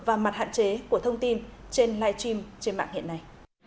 và mặt hạn chế của thông tin trên livestream trên mạng hiện nay